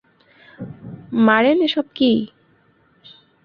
মারেন এসব কী?